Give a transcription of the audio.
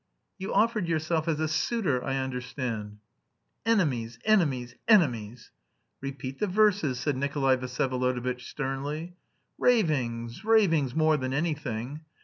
"You offered yourself as a suitor, I understand." "Enemies, enemies, enemies!" "Repeat the verses," said Nikolay Vsyevolodovitch sternly. "Ravings, ravings, more than anything."